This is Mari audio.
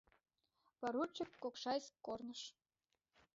Поручик, Кокшайск корныш!